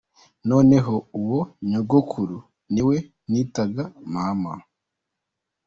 Noneho uwo nyogokuru, ni we nitaga mama.